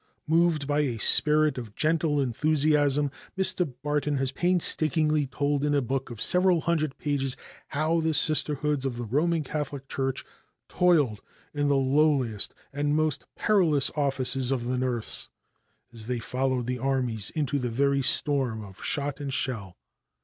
Moved by a spirit of gentle enthusiasm, Mr. Barton has painstakingly told in a book of several hundred pages how the Sistershoods of the Roman Catholic Church toiled in the lowliest and most perilous offices of the nurse, as they followed the armies into the very storm of shot and shell.